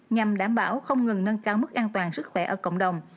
nhằm đảm bảo không ngừng nâng cao mức an toàn sức khỏe ở cộng đồng